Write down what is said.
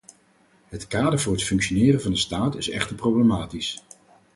Het kader voor het functioneren van de staat is echter problematisch.